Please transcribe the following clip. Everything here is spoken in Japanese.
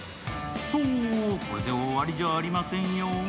これで終わりではありませんよ。